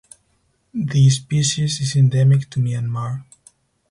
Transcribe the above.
The species is endemic to Myanmar.